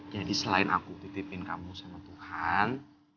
selain aku titipin kamu sama tuhan